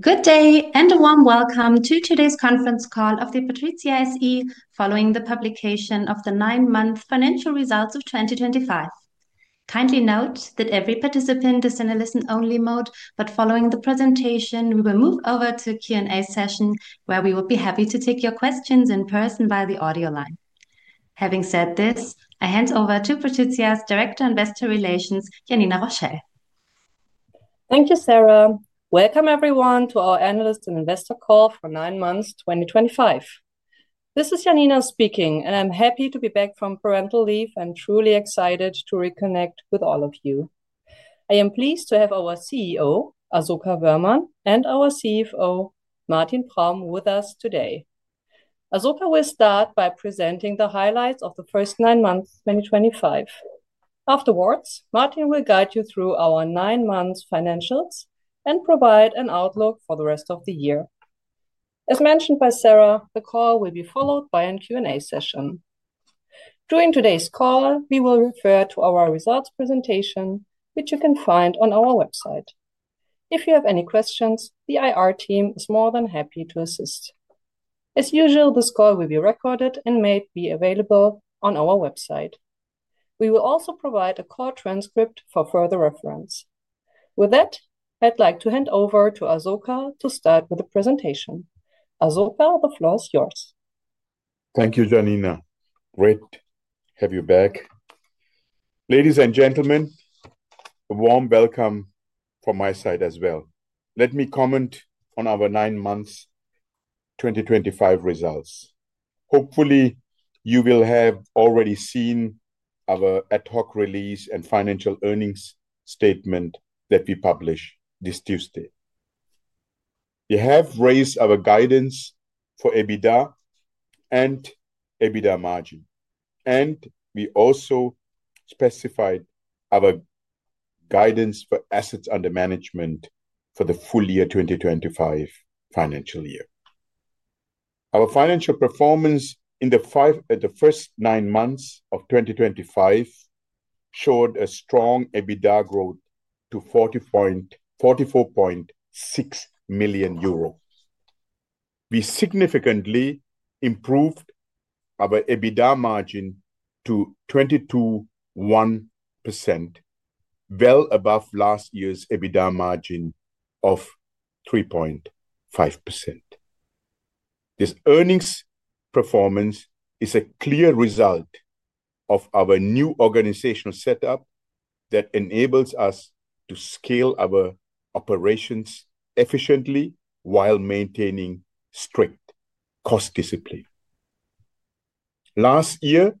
Good day and a warm welcome to today's conference call of PATRIZIA SE, following the publication of the 9M Financial Results of 2025. Kindly note that every participant is in a listen-only mode, but following the presentation, we will move over to a Q&A session, where we will be happy to take your questions in person via the audio line. Having said this, I hand over to PATRIZIA's Director of Investor Relations, Janina Rochell. Thank you, Sarah. Welcome, everyone, to our analyst and investor call for 9M 2025. This is Janina speaking, and I'm happy to be back from parental leave and truly excited to reconnect with all of you. I am pleased to have our CEO, Asoka Wöhrmann, and our CFO, Martin Praum, with us today. Asoka will start by presenting the highlights of the first nine months 2025. Afterwards, Martin will guide you through our nine-month financials and provide an outlook for the rest of the year. As mentioned by Sarah, the call will be followed by a Q&A session. During today's call, we will refer to our results presentation, which you can find on our website. If you have any questions, the IR team is more than happy to assist. As usual, this call will be recorded and made available on our website. We will also provide a call transcript for further reference. With that, I'd like to hand over to Asoka to start with the presentation. Asoka, the floor is yours. Thank you, Janina. Great to have you back. Ladies and gentlemen, a warm welcome from my side as well. Let me comment on our nine-month 2025 results. Hopefully, you will have already seen our ad hoc release and financial earnings statement that we published this Tuesday. We have raised our guidance for EBITDA and EBITDA margin, and we also specified our guidance for assets under management for the full-year 2025 financial year. Our financial performance in the first nine months of 2025 showed a strong EBITDA growth to EUR 44.6 million. We significantly improved our EBITDA margin to 22.1%, well above last year's EBITDA margin of 3.5%. This earnings performance is a clear result of our new organizational setup that enables us to scale our operations efficiently while maintaining strict cost discipline. Last year,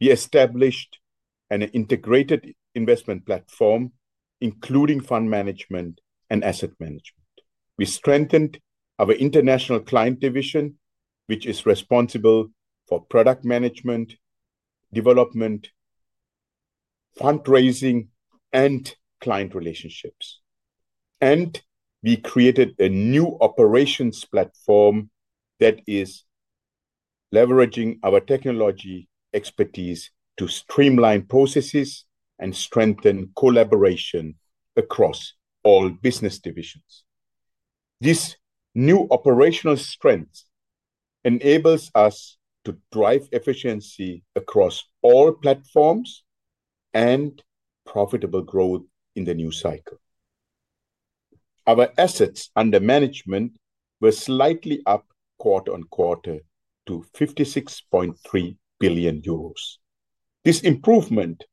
we established an integrated investment platform, including fund management and asset management. We strengthened our international client division, which is responsible for product management, development, fundraising, and client relationships. We created a new operations platform that is leveraging our technology expertise to streamline processes and strengthen collaboration across all business divisions. This new operational strength enables us to drive efficiency across all platforms and profitable growth in the new cycle. Our assets under management were slightly up quarter on quarter to 56.3 billion euros. This improvement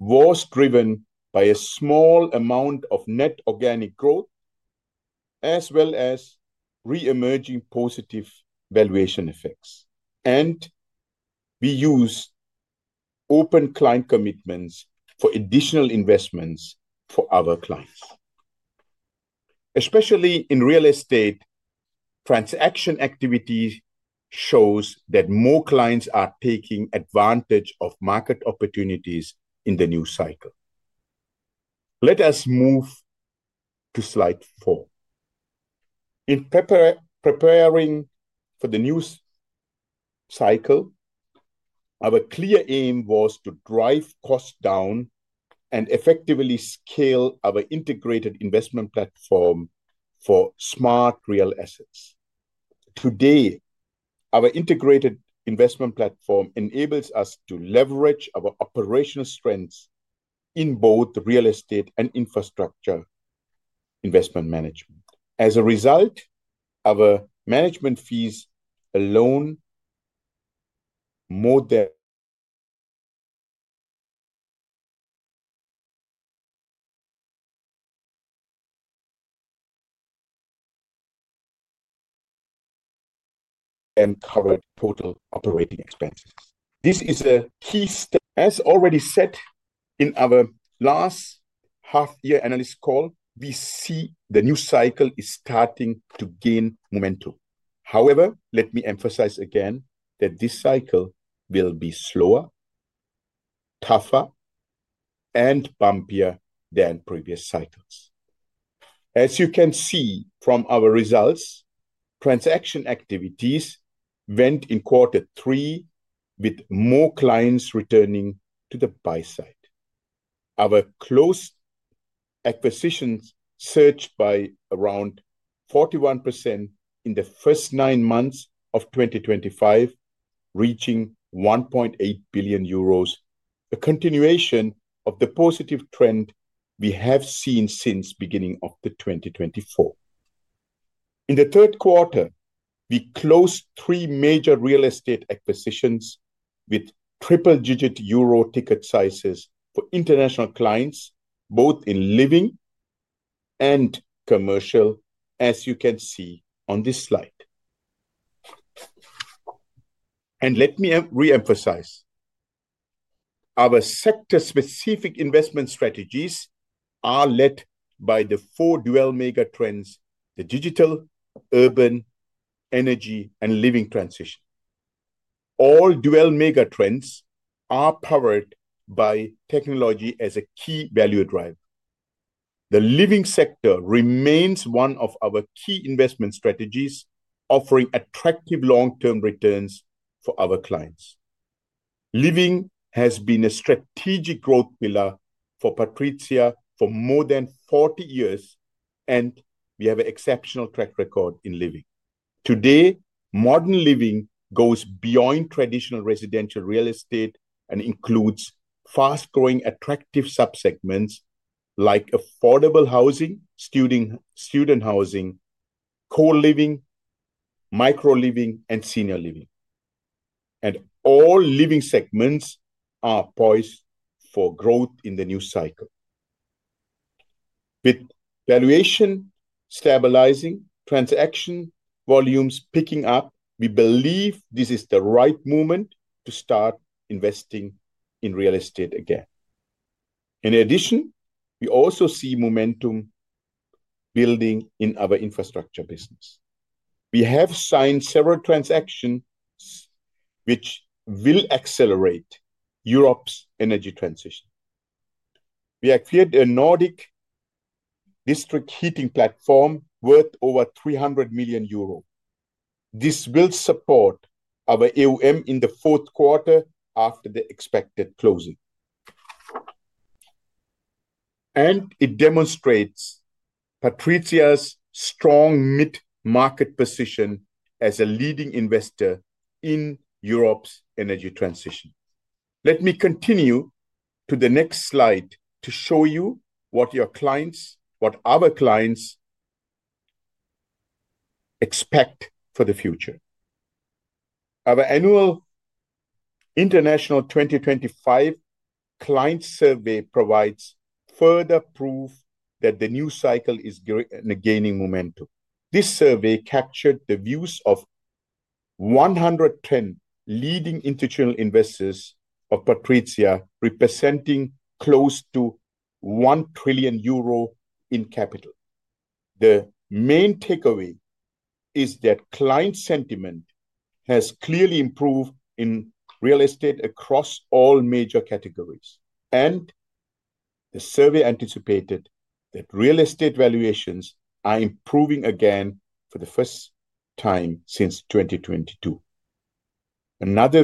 was driven by a small amount of net organic growth, as well as re-emerging positive valuation effects. We used open client commitments for additional investments for our clients, especially in real estate. Transaction activity shows that more clients are taking advantage of market opportunities in the new cycle. Let us move to slide four. In preparing for the new cycle, our clear aim was to drive costs down and effectively scale our integrated investment platform for smart real assets. Today, our integrated investment platform enables us to leverage our operational strengths in both real estate and infrastructure investment management. As a result, our management fees alone more than covered total operating expenses. This is a key. As already said in our last half-year analyst call, we see the new cycle is starting to gain momentum. However, let me emphasize again that this cycle will be slower, tougher, and bumpier than previous cycles. As you can see from our results, transaction activities went in quarter three with more clients returning to the buy side. Our closed acquisitions surged by around 41% in the first nine months of 2025, reaching 1.8 billion euros, a continuation of the positive trend we have seen since the beginning of 2024. In the third quarter, we closed three major real estate acquisitions with triple-digit euro ticket sizes for international clients, both in living and commercial, as you can see on this slide. Let me re-emphasize, our sector-specific investment strategies are led by the four dual-mega trends: the digital, urban, energy, and living transition. All dual-mega trends are powered by technology as a key value driver. The living sector remains one of our key investment strategies, offering attractive long-term returns for our clients. Living has been a strategic growth pillar for PATRIZIA for more than 40 years, and we have an exceptional track record in living. Today, modern living goes beyond traditional residential real estate and includes fast-growing attractive subsegments like affordable housing, student housing, co-living, micro-living, and senior living. All living segments are poised for growth in the new cycle. With valuation stabilizing, transaction volumes picking up, we believe this is the right moment to start investing in real estate again. In addition, we also see momentum building in our infrastructure business. We have signed several transactions which will accelerate Europe's energy transition. We have created a Nordic district heating platform worth over 300 million euro. This will support our AUM in the fourth quarter after the expected closing. It demonstrates PATRIZIA's strong mid-market position as a leading investor in Europe's energy transition. Let me continue to the next slide to show you what our clients expect for the future. Our annual International 2025 Client Survey provides further proof that the new cycle is gaining momentum. This survey captured the views of 110 leading institutional investors of PATRIZIA, representing close to 1 trillion euro in capital. The main takeaway is that client sentiment has clearly improved in real estate across all major categories. The survey anticipated that real estate valuations are improving again for the first time since 2022. Another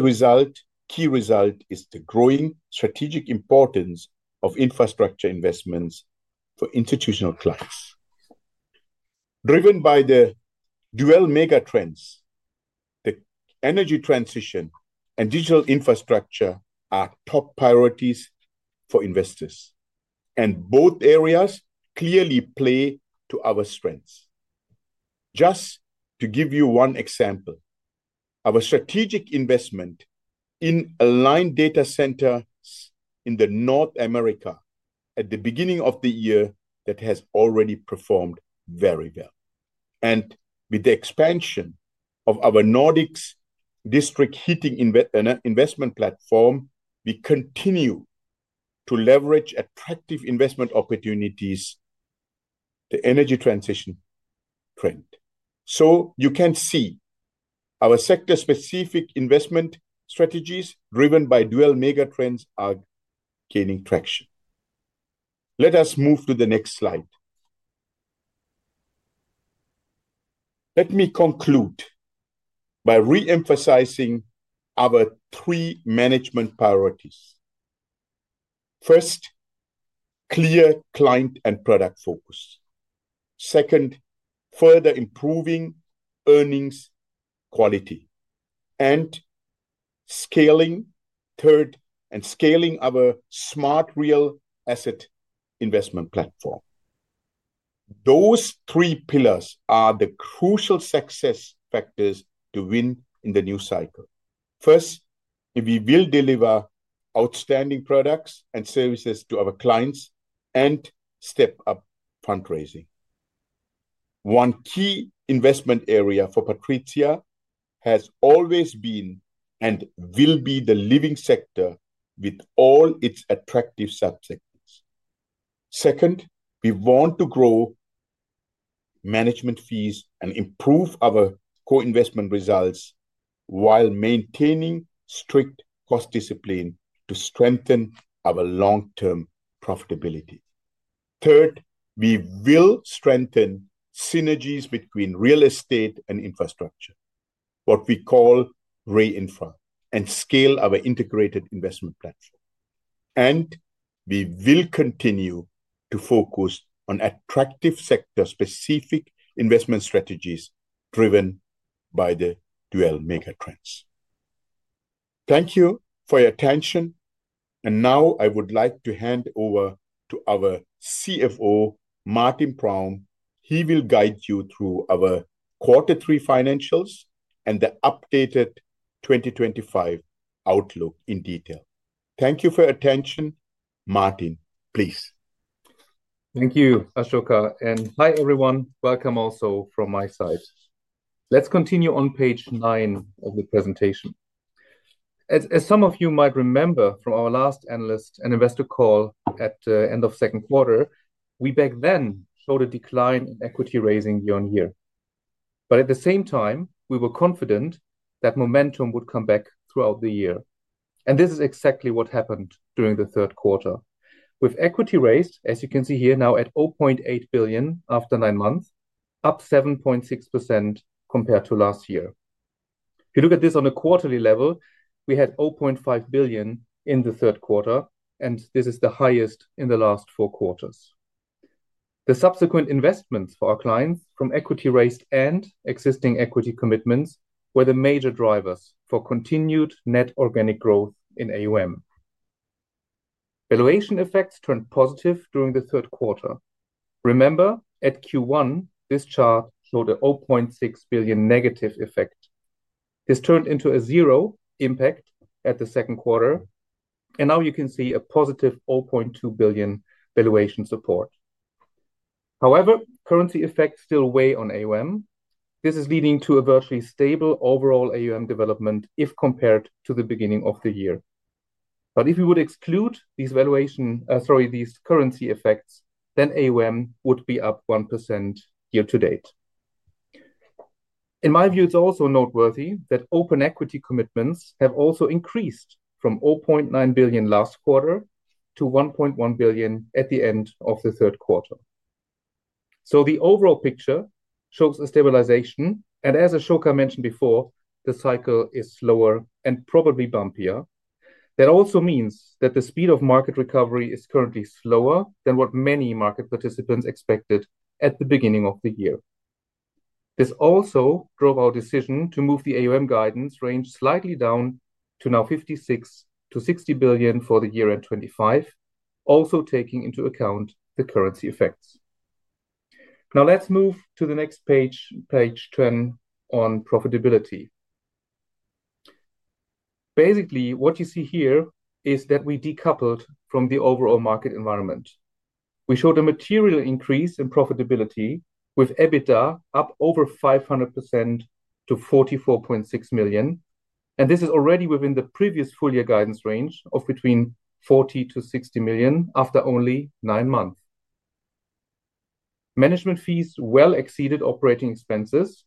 key result is the growing strategic importance of infrastructure investments for institutional clients. Driven by the dual-mega trends, the energy transition and digital infrastructure are top priorities for investors. Both areas clearly play to our strengths. Just to give you one example, our strategic investment in Aligned Data Centers in North America at the beginning of the year has already performed very well. With the expansion of our Nordic district heating investment platform, we continue to leverage attractive investment opportunities in the energy transition trend. You can see our sector-specific investment strategies driven by dual-mega trends are gaining traction. Let us move to the next slide. Let me conclude by re-emphasizing our three management priorities. First, clear client and product focus. Second, further improving earnings quality, and third, scaling our smart real asset investment platform. Those three pillars are the crucial success factors to win in the new cycle. First, we will deliver outstanding products and services to our clients and step up fundraising. One key investment area for PATRIZIA has always been and will be the living sector with all its attractive subsegments. Second, we want to grow management fees and improve our co-investment results while maintaining strict cost discipline to strengthen our long-term profitability. Third, we will strengthen synergies between real estate and infrastructure, what we call RE-Infra, and scale our integrated investment platform. We will continue to focus on attractive sector-specific investment strategies driven by the dual-mega trends. Thank you for your attention. Now I would like to hand over to our CFO, Martin Praum. He will guide you through our quarter three financials and the updated 2025 outlook in detail. Thank you for your attention. Martin, Please. Thank you, Asoka. Hi, everyone. Welcome also from my side. Let's continue on page nine of the presentation. As some of you might remember from our last analyst and investor call at the end of the second quarter, we back then showed a decline in equity raising year on year. At the same time, we were confident that momentum would come back throughout the year. This is exactly what happened during the third quarter. With equity raised, as you can see here, now at 0.8 billion after nine months, up 7.6% compared to last year. If you look at this on a quarterly level, we had 0.5 billion in the third quarter, and this is the highest in the last four quarters. The subsequent investments for our clients from equity raised and existing equity commitments were the major drivers for continued net organic growth in AUM. Valuation effects turned positive during the third quarter. Remember, at Q1, this chart showed a 0.6 billion negative effect. This turned into a zero impact at the second quarter. Now you can see a positive 0.2 billion valuation support. However, currency effects still weigh on AUM. This is leading to a virtually stable overall AUM development if compared to the beginning of the year. If we would exclude these currency effects, then AUM would be up 1% year to date. In my view, it's also noteworthy that open equity commitments have also increased from 0.9 billion last quarter to 1.1 billion at the end of the third quarter. The overall picture shows a stabilization. As Asoka mentioned before, the cycle is slower and probably bumpier. That also means that the speed of market recovery is currently slower than what many market participants expected at the beginning of the year. This also drove our decision to move the AUM guidance range slightly down to now 56 billion-60 billion for the year end 2025, also taking into account the currency effects. Now let's move to the next page, page 10, on profitability. Basically, what you see here is that we decoupled from the overall market environment. We showed a material increase in profitability, with EBITDA up over 500% to 44.6 million. This is already within the previous full-year guidance range of between 40 million-60 million after only nine months. Management fees well exceeded operating expenses.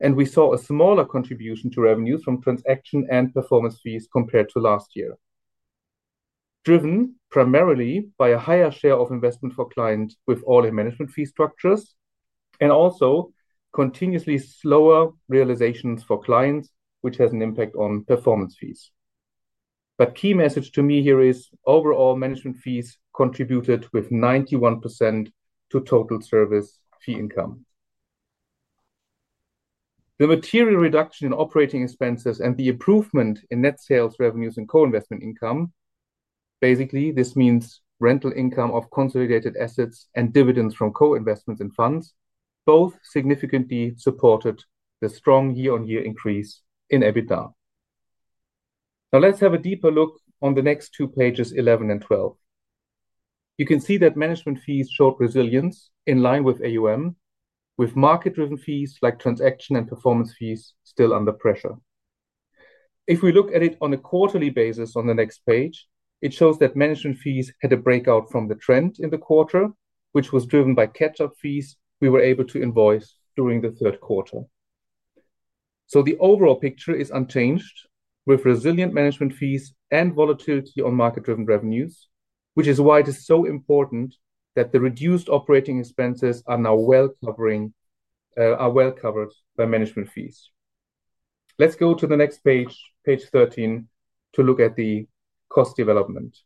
We saw a smaller contribution to revenues from transaction and performance fees compared to last year, driven primarily by a higher share of investment for clients with all-in management fee structures and also continuously slower realizations for clients, which has an impact on performance fees. The key message to me here is overall management fees contributed with 91% to total service fee income. The material reduction in operating expenses and the improvement in net sales revenues and co-investment income, basically this means rental income of consolidated assets and dividends from co-investments and funds, both significantly supported the strong year-on-year increase in EBITDA. Now let's have a deeper look on the next two pages, 11 and 12. You can see that management fees showed resilience in line with AUM, with market-driven fees like transaction and performance fees still under pressure. If we look at it on a quarterly basis on the next page, it shows that management fees had a breakout from the trend in the quarter, which was driven by catch-up fees we were able to invoice during the third quarter. The overall picture is unchanged, with resilient management fees and volatility on market-driven revenues, which is why it is so important that the reduced operating expenses are now well covered by management fees. Let's go to the next page, page 13, to look at the cost development.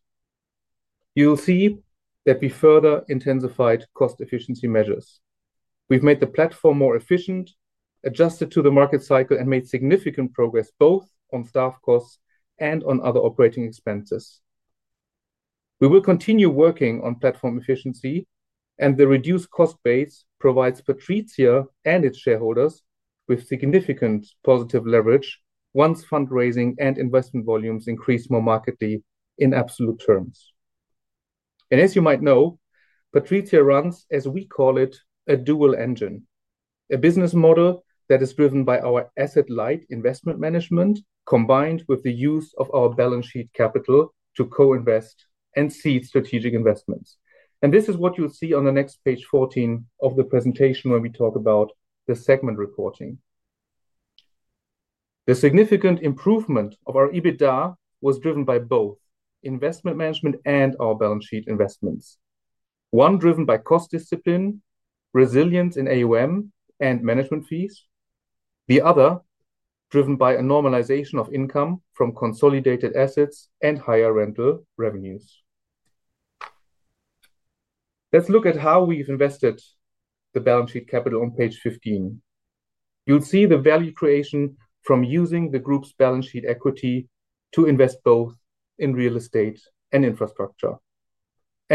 You'll see that we further intensified cost efficiency measures. We've made the platform more efficient, adjusted to the market cycle, and made significant progress both on staff costs and on other operating expenses. We will continue working on platform efficiency, and the reduced cost base provides PATRIZIA and its shareholders with significant positive leverage once fundraising and investment volumes increase more markedly in absolute terms. As you might know, PATRIZIA runs, as we call it, a dual engine, a business model that is driven by our asset-light investment management combined with the use of our balance sheet capital to co-invest and seed strategic investments. This is what you will see on the next page 14 of the presentation when we talk about the segment reporting. The significant improvement of our EBITDA was driven by both investment management and our balance sheet investments. One driven by cost discipline, resilience in AUM and management fees, the other driven by a normalization of income from consolidated assets and higher rental revenues. Let's look at how we have invested the balance sheet capital on page 15. You'll see the value creation from using the group's balance sheet equity to invest both in real estate and infrastructure.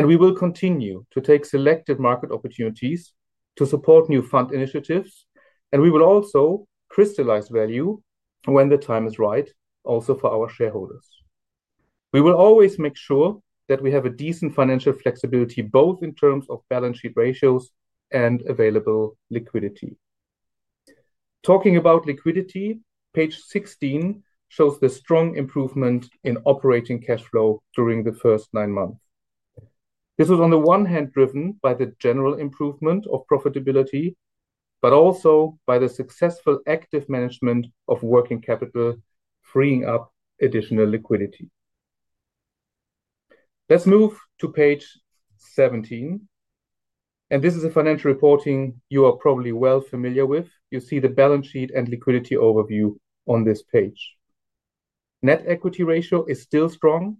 We will continue to take selected market opportunities to support new fund initiatives. We will also crystallize value when the time is right, also for our shareholders. We will always make sure that we have a decent financial flexibility, both in terms of balance sheet ratios and available liquidity. Talking about liquidity, page 16 shows the strong improvement in operating cash flow during the first nine months. This was, on the one hand, driven by the general improvement of profitability, but also by the successful active management of working capital, freeing up additional liquidity. Let's move to page 17. This is a financial reporting you are probably well familiar with. You see the balance sheet and liquidity overview on this page. Net equity ratio is still strong,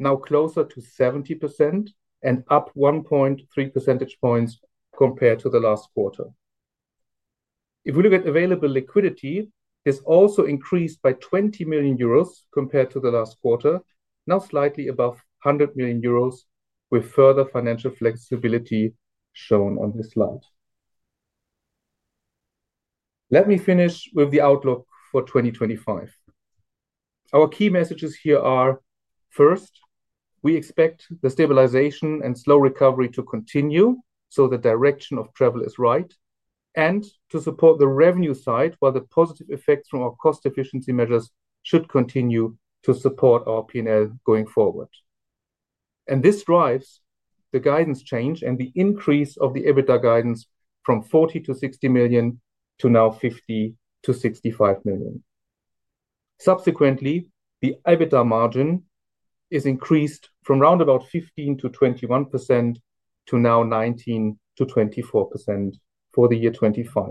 now closer to 70% and up 1.3 percentage points compared to the last quarter. If we look at available liquidity, it has also increased by 20 million euros compared to the last quarter, now slightly above 100 million euros, with further financial flexibility shown on this slide. Let me finish with the outlook for 2025. Our key messages here are, first, we expect the stabilization and slow recovery to continue so the direction of travel is right, and to support the revenue side while the positive effects from our cost efficiency measures should continue to support our P&L going forward. This drives the guidance change and the increase of the EBITDA guidance from 40 million-60 million to now 50 million-65 million. Subsequently, the EBITDA margin is increased from around about 15%-21% to now 19%-24% for the year 2025.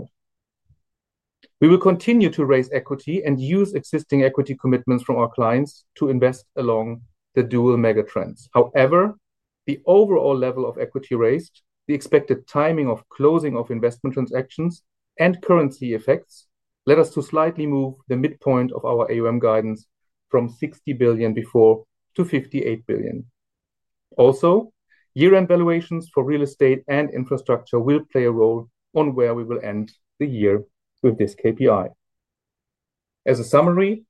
We will continue to raise equity and use existing equity commitments from our clients to invest along the dual-mega trends. However, the overall level of equity raised, the expected timing of closing of investment transactions, and currency effects led us to slightly move the midpoint of our AUM guidance from 60 billion before to 58 billion. Also, year-end valuations for real estate and infrastructure will play a role on where we will end the year with this KPI. As a summary,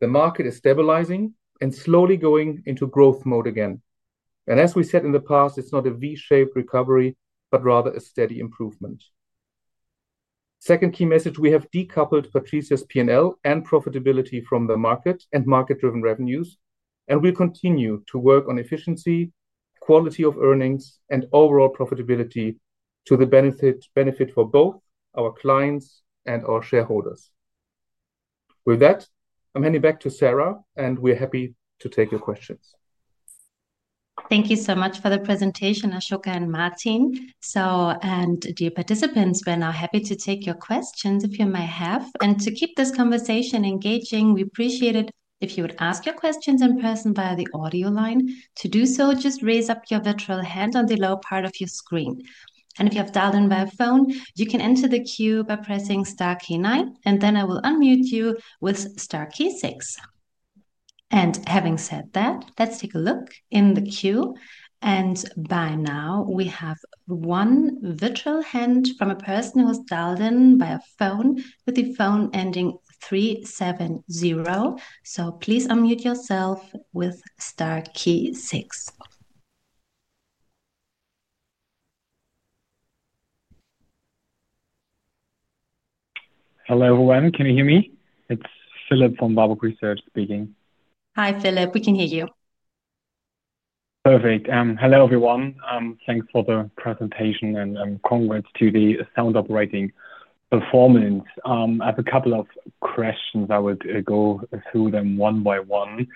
the market is stabilizing and slowly going into growth mode again. As we said in the past, it's not a V-shaped recovery, but rather a steady improvement. Second key message, we have decoupled PATRIZIA's P&L and profitability from the market and market-driven revenues. We will continue to work on efficiency, quality of earnings, and overall profitability to the benefit for both our clients and our shareholders. With that, I'm handing back to Sarah, and we're happy to take your questions. Thank you so much for the presentation, Asoka and Martin. Dear participants, we're now happy to take your questions if you might have. To keep this conversation engaging, we appreciate it if you would ask your questions in person via the audio line. To do so, just raise up your virtual hand on the lower part of your screen. If you have dialed in via phone, you can enter the queue by pressing the star key nine, and then I will unmute you with the star key six. Having said that, let's take a look in the queue. By now, we have one virtual hand from a person who's dialed in via phone with the phone ending 370. Please unmute yourself with the star key six. Hello, everyone. Can you hear me? It's Philipp from Warburg Research speaking. Hi, Philipp. We can hear you. Perfect. Hello, everyone. Thanks for the presentation and congrats to the sound operating performance. I have a couple of questions. I would go through them one by one,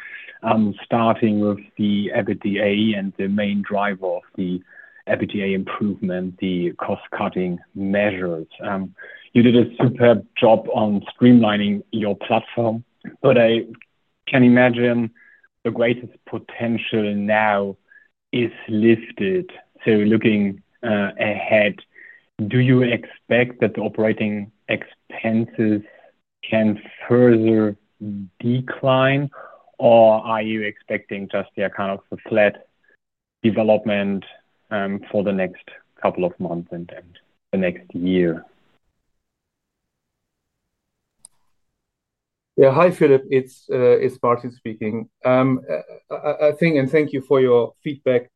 starting with the EBITDA and the main driver of the EBITDA improvement, the cost-cutting measures. You did a superb job on streamlining your platform, but I can imagine the greatest potential now is lifted. Looking ahead, do you expect that the operating expenses can further decline, or are you expecting just the kind of flat development for the next couple of months and the next year? Yeah. Hi, Philipp. It's Martin speaking. I think, and thank you for your feedback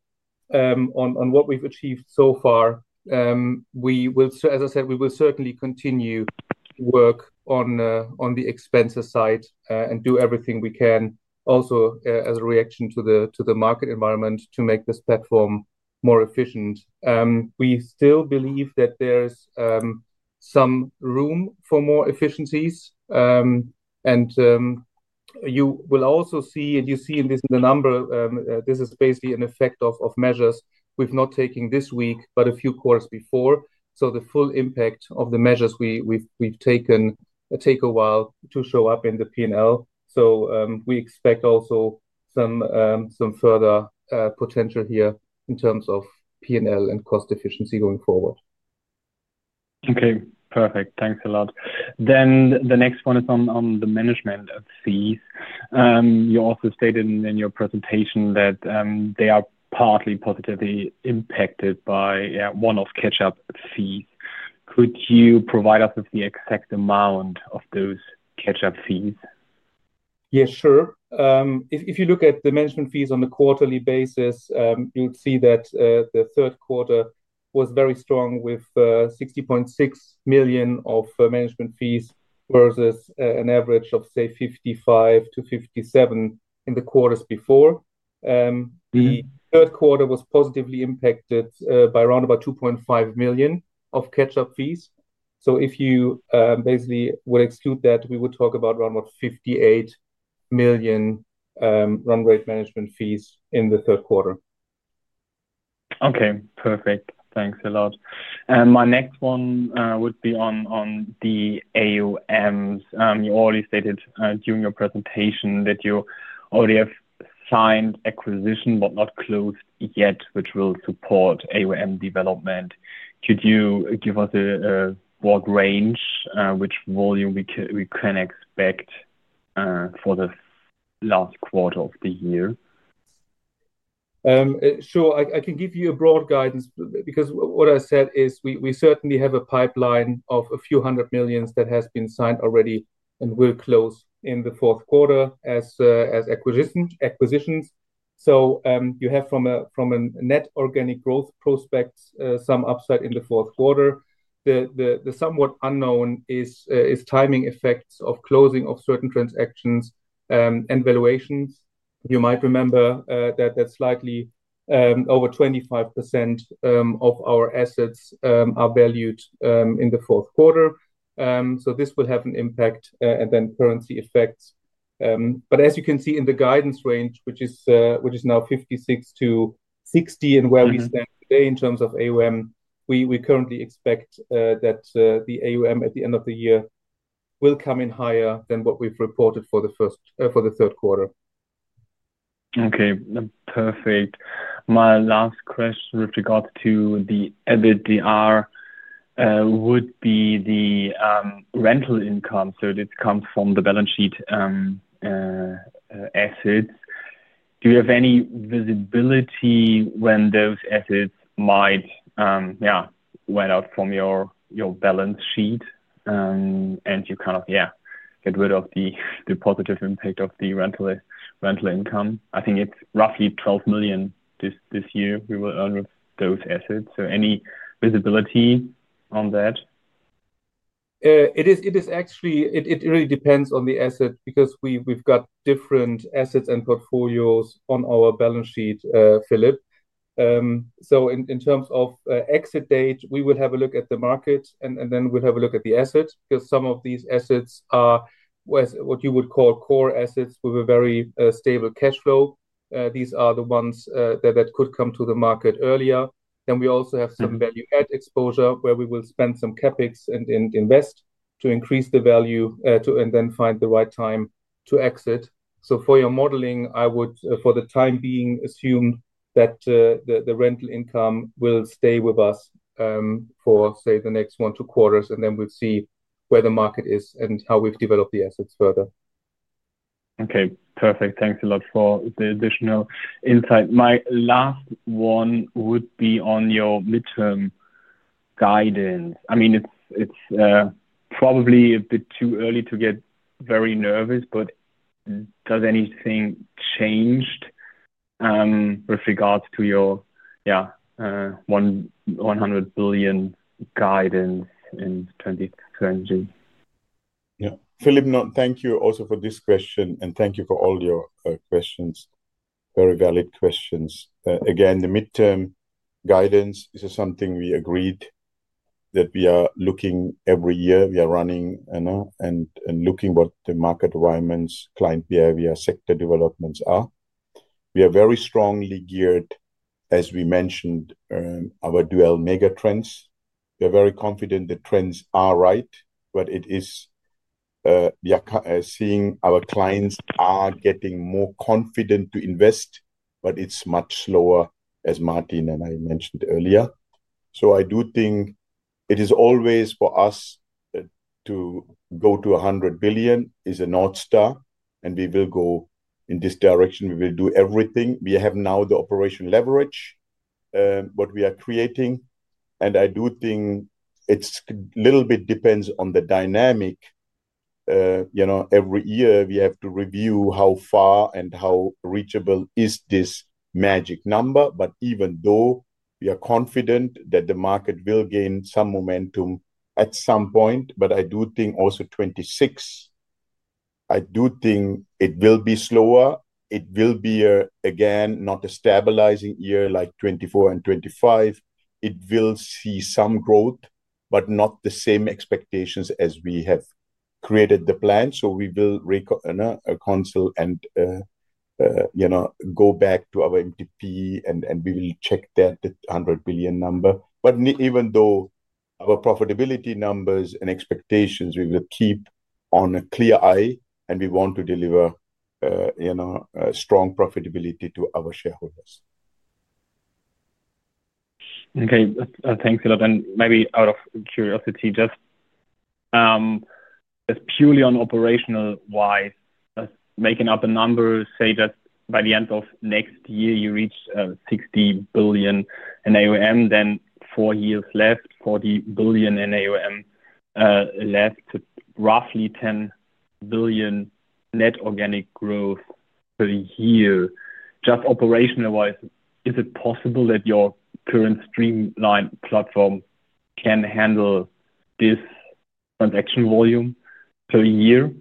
on what we've achieved so far. As I said, we will certainly continue to work on the expenses side and do everything we can, also as a reaction to the market environment, to make this platform more efficient. We still believe that there's some room for more efficiencies. You will also see, and you see in this number, this is basically an effect of measures we've not taken this week, but a few quarters before. The full impact of the measures we've taken take a while to show up in the P&L. We expect also some further potential here in terms of P&L and cost efficiency going forward. Okay. Perfect. Thanks a lot. The next one is on the management of fees. You also stated in your presentation that they are partly positively impacted by one-off catch-up fees. Could you provide us with the exact amount of those catch-up fees? Yeah, sure. If you look at the management fees on a quarterly basis, you'll see that the third quarter was very strong with 60.6 million of management fees versus an average of, say, 55 million-57 million in the quarters before. The third quarter was positively impacted by around about 2.5 million of catch-up fees. If you basically would exclude that, we would talk about around about 58 million run rate management fees in the third quarter. Okay. Perfect. Thanks a lot. My next one would be on the AUMs. You already stated during your presentation that you already have signed acquisition, but not closed yet, which will support AUM development. Could you give us a broad range, which volume we can expect for the last quarter of the year? Sure. I can give you a broad guidance because what I said is we certainly have a pipeline of a few hundred million that has been signed already and will close in the fourth quarter as acquisitions. You have from a net organic growth prospect some upside in the fourth quarter. The somewhat unknown is timing effects of closing of certain transactions and valuations. You might remember that slightly over 25% of our assets are valued in the fourth quarter. This will have an impact and then currency effects. As you can see in the guidance range, which is now 56 billion-60 billion in where we stand today in terms of AUM, we currently expect that the AUM at the end of the year will come in higher than what we've reported for the third quarter. Okay. Perfect. My last question with regards to the EBITDA would be the rental income. So this comes from the balance sheet assets. Do you have any visibility when those assets might, yeah, went out from your balance sheet and you kind of, yeah, get rid of the positive impact of the rental income? I think it's roughly 12 million this year we will earn with those assets. So any visibility on that? It actually really depends on the asset because we've got different assets and portfolios on our balance sheet, Philipp. In terms of exit date, we will have a look at the market, and then we'll have a look at the assets because some of these assets are what you would call core assets with a very stable cash flow. These are the ones that could come to the market earlier. We also have some value-add exposure where we will spend some CapEx and invest to increase the value and then find the right time to exit. For your modeling, I would, for the time being, assume that the rental income will stay with us for, say, the next one to two quarters, and then we'll see where the market is and how we've developed the assets further. Okay. Perfect. Thanks a lot for the additional insight. My last one would be on your midterm guidance. I mean, it's probably a bit too early to get very nervous, but does anything change with regards to your, yeah, 100 billion guidance in 2026? Yeah. Philipp, thank you also for this question, and thank you for all your questions. Very valid questions. Again, the midterm guidance is something we agreed that we are looking every year. We are running and looking at what the market requirements, client behavior, sector developments are. We are very strongly geared, as we mentioned, our dual-mega trends. We are very confident the trends are right, but it is seeing our clients are getting more confident to invest, but it's much slower, as Martin and I mentioned earlier. I do think it is always for us to go to 100 billion is a North Star, and we will go in this direction. We will do everything. We have now the operational leverage that we are creating. I do think it's a little bit depends on the dynamic. Every year, we have to review how far and how reachable is this magic number. Even though we are confident that the market will gain some momentum at some point, I do think also 2026, I do think it will be slower. It will be, again, not a stabilizing year like 2024 and 2025. It will see some growth, but not the same expectations as we have created the plan. We will reconcile and go back to our MTP, and we will check that 100 billion number. Even though our profitability numbers and expectations, we will keep on a clear eye, and we want to deliver strong profitability to our shareholders. Okay. Thanks a lot. Maybe out of curiosity, just purely operational-wise, making up a number, say just by the end of next year, you reach 60 billion in AUM, then four years left, 40 billion in AUM left, roughly 10 billion net organic growth per year. Just operational-wise, is it possible that your current streamlined platform can handle this transaction volume per year?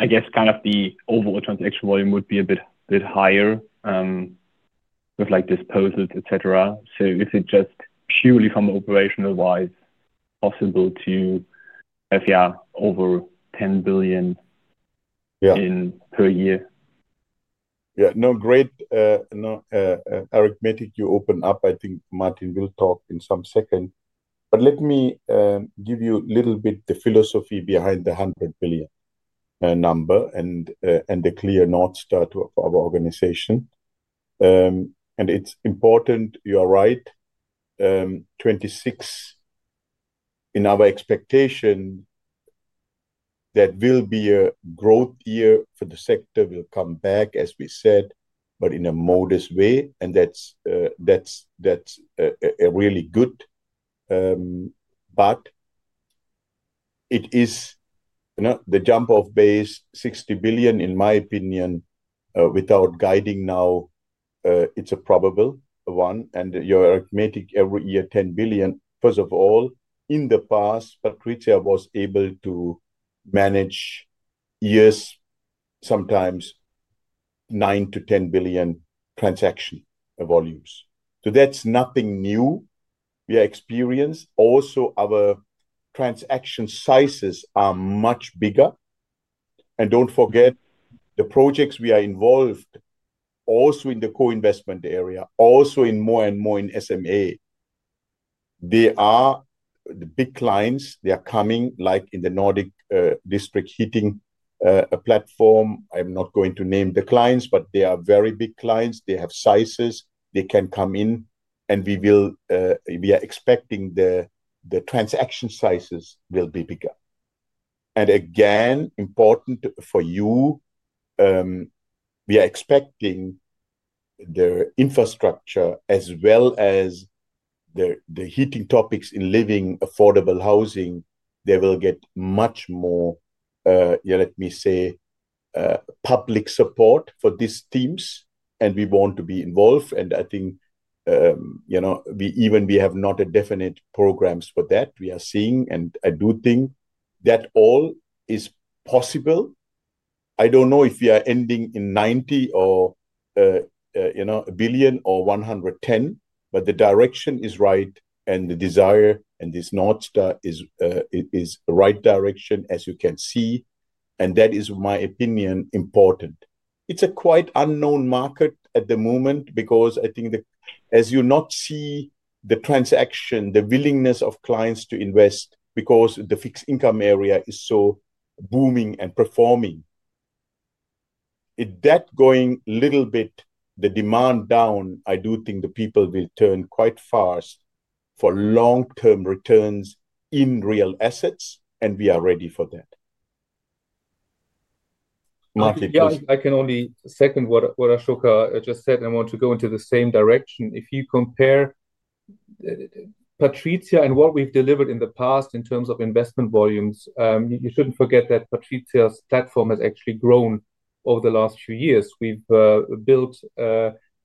I guess kind of the overall transaction volume would be a bit higher with disposals, etc. Is it just purely from operational-wise possible to have, yeah, over 10 billion per year? Yeah. No, great arithmetic you open up. I think Martin will talk in some second. Let me give you a little bit the philosophy behind the 100 billion number and the clear North Star to our organization. It is important. You are right. 2026, in our expectation, that will be a growth year for the sector, will come back, as we said, but in a modest way. That is really good. It is the jump of base 60 billion, in my opinion, without guiding now, it is a probable one. Your arithmetic, every year, 10 billion, first of all, in the past, PATRIZIA was able to manage years, sometimes EUR 9 billion-EUR 10 billion transaction volumes. That is nothing new. We are experienced. Also, our transaction sizes are much bigger. Do not forget, the projects we are involved in, also in the co-investment area, also more and more in SMA, they are the big clients. They are coming, like in the Nordic district heating platform. I'm not going to name the clients, but they are very big clients. They have sizes. They can come in, and we are expecting the transaction sizes will be bigger. Again, important for you, we are expecting the infrastructure as well as the heating topics in living affordable housing. They will get much more, let me say, public support for these themes, and we want to be involved. I think even though we have not definite programs for that, we are seeing, and I do think that all is possible. I don't know if we are ending in 90 billion or 110 billion, but the direction is right, and the desire and this North Star is the right direction, as you can see. That is, in my opinion, important. It's a quite unknown market at the moment because I think as you not see the transaction, the willingness of clients to invest because the fixed income area is so booming and performing. If that going a little bit the demand down, I do think the people will turn quite fast for long-term returns in real assets, and we are ready for that. I can only second what Asoka just said, and I want to go into the same direction. If you compare PATRIZIA and what we've delivered in the past in terms of investment volumes, you shouldn't forget that PATRIZIA's platform has actually grown over the last few years. We've built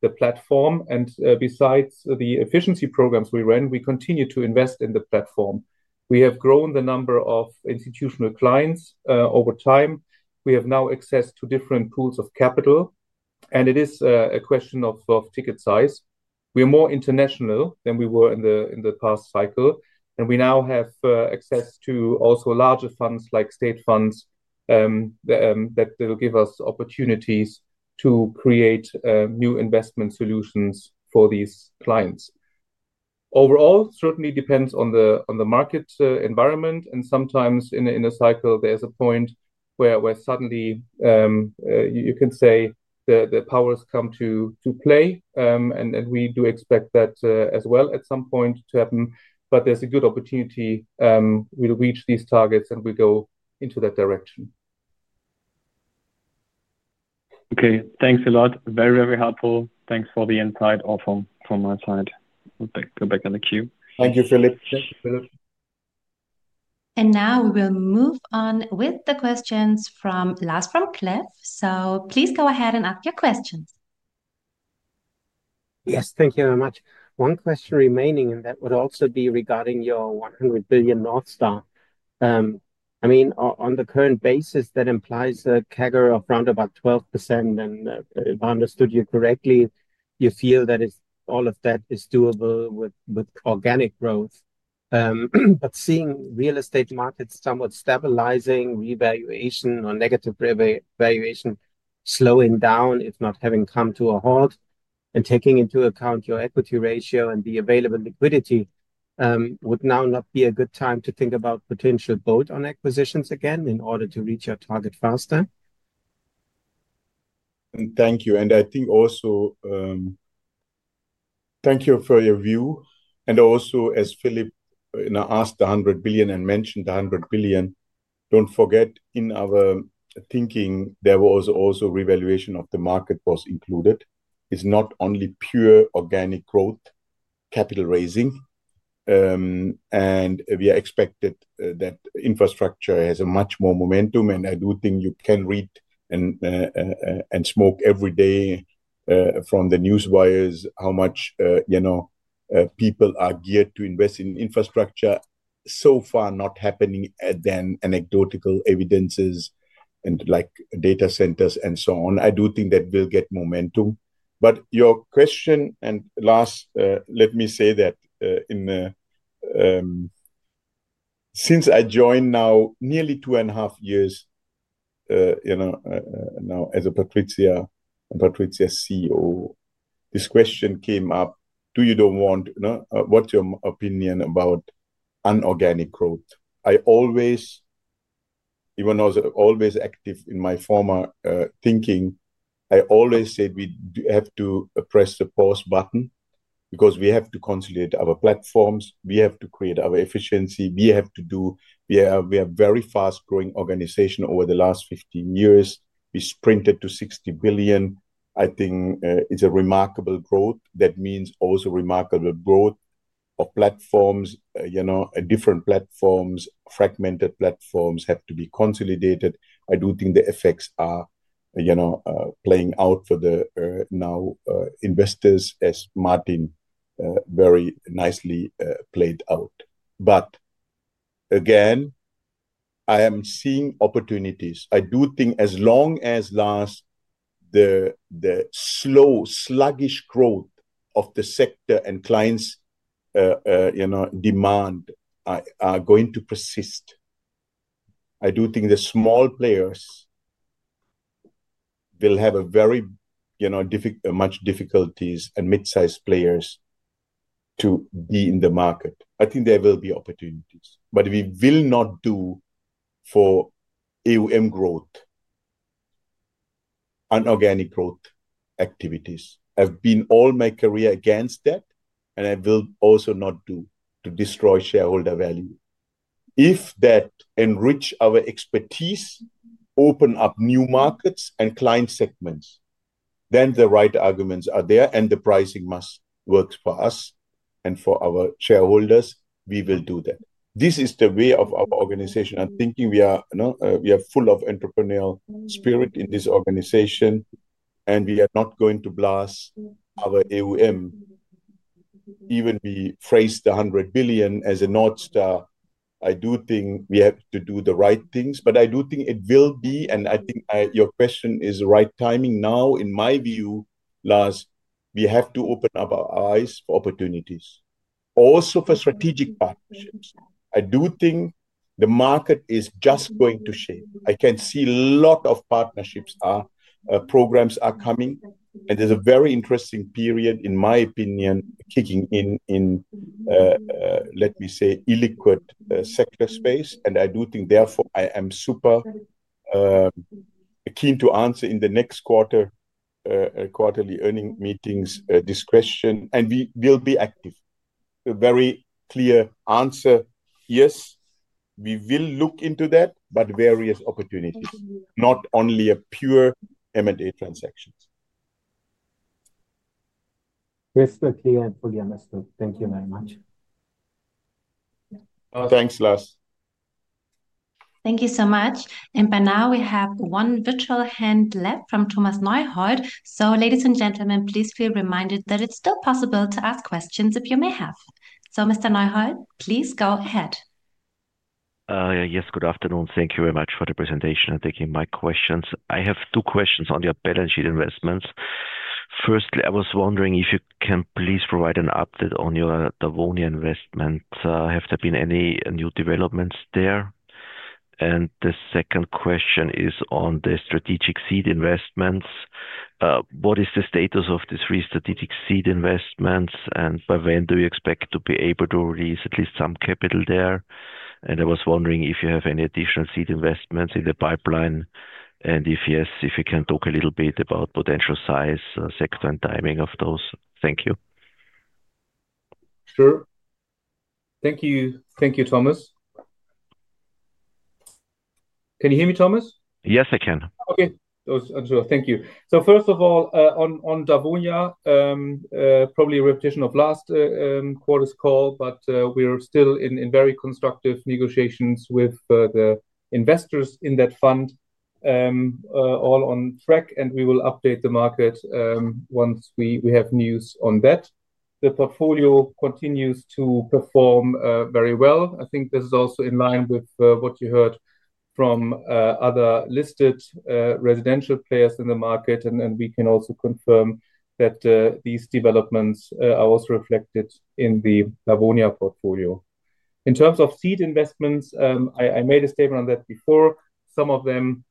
the platform, and besides the efficiency programs we ran, we continue to invest in the platform. We have grown the number of institutional clients over time. We have now access to different pools of capital, and it is a question of ticket size. We are more international than we were in the past cycle, and we now have access to also larger funds like state funds that will give us opportunities to create new investment solutions for these clients. Overall, certainly depends on the market environment, and sometimes in a cycle, there's a point where suddenly you can say the powers come to play, and we do expect that as well at some point to happen. There is a good opportunity. We will reach these targets, and we will go into that direction. Okay. Thanks a lot. Very, very helpful. Thanks for the insight from my side. I'll go back on the queue. Thank you, Philipp. We will move on with the questions from Lars Vom Cleff. Please go ahead and ask your questions. Yes. Thank you very much. One question remaining that would also be regarding your 100 billion North Star. I mean, on the current basis, that implies a CAGR of around 12%. And if I understood you correctly, you feel that all of that is doable with organic growth. But seeing real estate markets somewhat stabilizing, revaluation or negative revaluation slowing down, if not having come to a halt, and taking into account your equity ratio and the available liquidity, would now not be a good time to think about potential bolt-on acquisitions again in order to reach your target faster? Thank you. I think also thank you for your view. Also, as Philipp asked the 100 billion and mentioned the 100 billion, do not forget in our thinking, there was also revaluation of the market was included. It is not only pure organic growth, capital raising, and we are expected that infrastructure has much more momentum. I do think you can read and smoke every day from the news wires how much people are geared to invest in infrastructure. So far, not happening than anecdotal evidences and data centers and so on. I do think that we will get momentum. Your question, and last, let me say that since I joined now nearly two and a half years now as a PATRIZIA CEO, this question came up, "Do you don't want what's your opinion about unorganic growth?" I always, even though I was always active in my former thinking, I always said we have to press the pause button because we have to consolidate our platforms. We have to create our efficiency. We have a very fast-growing organization over the last 15 years. We sprinted to 60 billion. I think it's a remarkable growth. That means also remarkable growth of platforms, different platforms, fragmented platforms have to be consolidated. I do think the effects are playing out for the now investors, as Martin very nicely played out. Again, I am seeing opportunities. I do think as long as Lars, the slow, sluggish growth of the sector and clients' demand are going to persist. I do think the small players will have very much difficulties and mid-sized players to be in the market. I think there will be opportunities, but we will not do for AUM growth, unorganic growth activities. I've been all my career against that, and I will also not do to destroy shareholder value. If that enriches our expertise, opens up new markets and client segments, then the right arguments are there, and the pricing must work for us and for our shareholders. We will do that. This is the way of our organization. I'm thinking we are full of entrepreneurial spirit in this organization, and we are not going to blast our AUM, even if we phrase the 100 billion as a North Star. I do think we have to do the right things, but I do think it will be. I think your question is the right timing now. In my view, Lars, we have to open up our eyes for opportunities, also for strategic partnerships. I do think the market is just going to shift. I can see a lot of partnerships programs are coming, and there is a very interesting period, in my opinion, kicking in, let me say, illiquid sector space. I do think, therefore, I am super keen to answer in the next quarterly earning meetings this question, and we will be active. A very clear answer, yes, we will look into that, but various opportunities, not only pure M&A transactions. Crystal clear and fully understood. Thank you very much. Thanks, Lars. Thank you so much. By now, we have one virtual hand left from Thomas Neuhold. Ladies and gentlemen, please feel reminded that it's still possible to ask questions if you may have. Mr. Neuhold, please go ahead. Yes. Good afternoon. Thank you very much for the presentation and taking my questions. I have two questions on your balance sheet investments. Firstly, I was wondering if you can please provide an update on your Davonia investments. Have there been any new developments there? The second question is on the strategic seed investments. What is the status of these three strategic seed investments, and by when do you expect to be able to release at least some capital there? I was wondering if you have any additional seed investments in the pipeline, and if yes, if you can talk a little bit about potential size, sector, and timing of those. Thank you. Sure. Thank you. Thank you, Thomas. Can you hear me, Thomas? Yes, I can. Okay. Those are two. Thank you. First of all, on Davonia, probably a repetition of last quarter's call, but we're still in very constructive negotiations with the investors in that fund, all on track, and we will update the market once we have news on that. The portfolio continues to perform very well. I think this is also in line with what you heard from other listed residential players in the market, and we can also confirm that these developments are also reflected in the Davonia portfolio. In terms of seed investments, I made a statement on that before. Some of them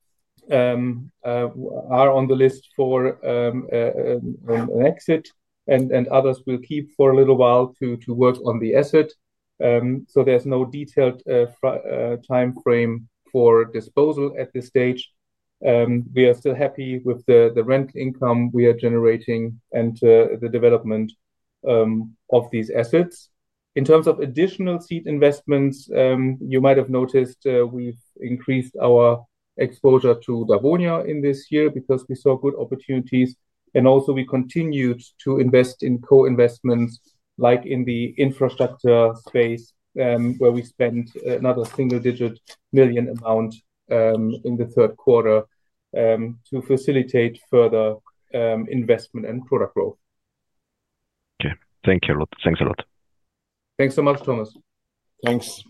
are on the list for an exit, and others we will keep for a little while to work on the asset. There is no detailed timeframe for disposal at this stage. We are still happy with the rent income we are generating and the development of these assets. In terms of additional seed investments, you might have noticed we've increased our exposure to Davonia in this year because we saw good opportunities, and also we continued to invest in co-investments like in the infrastructure space where we spent another single-digit million amount in the third quarter to facilitate further investment and product growth. Okay. Thanks a lot. Thanks so much, Thomas. Thanks.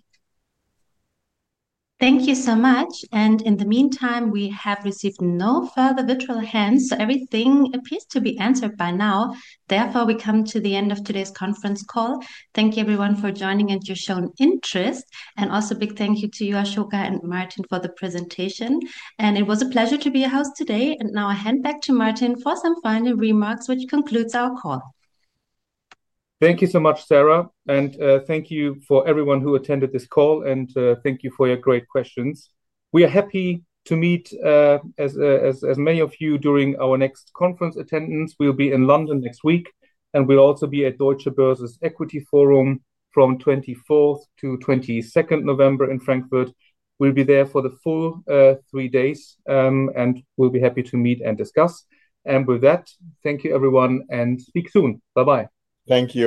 Thank you so much. In the meantime, we have received no further virtual hands, so everything appears to be answered by now. Therefore, we come to the end of today's conference call. Thank you, everyone, for joining and your shown interest, and also a big thank you to you, Asoka and Martin, for the presentation. It was a pleasure to be your host today. Now I'll hand back to Martin for some final remarks, which concludes our call. Thank you so much, Sarah, and thank you for everyone who attended this call, and thank you for your great questions. We are happy to meet as many of you during our next conference attendance. We'll be in London next week, and we'll also be at Deutsche Börse's Equity Forum from 24th to 22nd November in Frankfurt. We'll be there for the full three days, and we'll be happy to meet and discuss. With that, thank you, everyone, and speak soon. Bye-bye. Thank you.